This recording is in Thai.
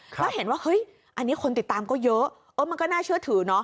แล้วเห็นว่าเฮ้ยอันนี้คนติดตามก็เยอะมันก็น่าเชื่อถือเนาะ